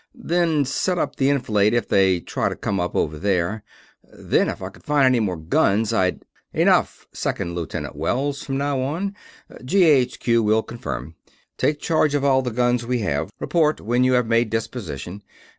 Then set up to enfilade if they try to come up over there. Then, if I could find any more guns, I'd...." "Enough. Second Lieutenant Wells, from now. GHQ will confirm. Take charge of all the guns we have. Report when you have made disposition.